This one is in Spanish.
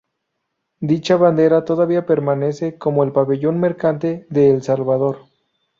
Dicha bandera todavía permanece como el pabellón mercante de El Salvador.